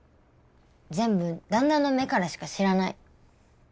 全部旦那の目からしか知らない。